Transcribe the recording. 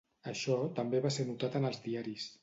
Això també va ser notat en els diaris.